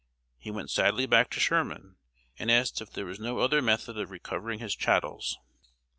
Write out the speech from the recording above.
He went sadly back to Sherman, and asked if there was no other method of recovering his chattels.